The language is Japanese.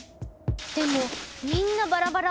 でもみんなバラバラ。